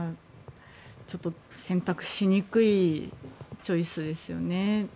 選択しにくいチョイスですよね。